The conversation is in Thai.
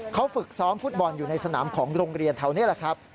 เขาฝึกซ้อมฟุตบอลอยู่ในสนามของโรงเรียนแถวนี้แหละครับ